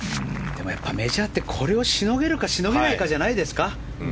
メジャーってこれをしのげるかしのげないかじゃないですか。